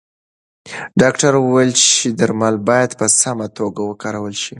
ډاکتر وویل چې درمل باید په سمه توګه وکارول شي.